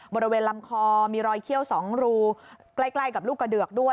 บริเวณลำคอมีรอยเขี้ยว๒รูใกล้กับลูกกระเดือกด้วย